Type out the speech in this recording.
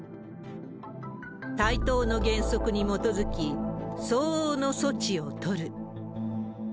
対等の原則に基づき、相応の措置を取る。